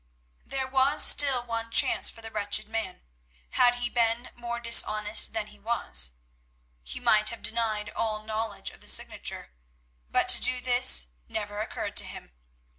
There was still one chance for the wretched man—had he been more dishonest than he was. He might have denied all knowledge of the signature. But to do this never occurred to him.